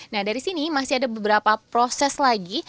nah dari sini masih ada beberapa proses lagi